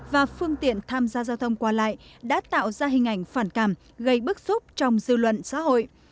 và phương tiện tham gia giao thông qua lại đã tạo ra hình ảnh phản cảm gây bức xúc trong dư luận xã hội